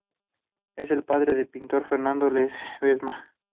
Es padre del pintor Fernando Ledesma.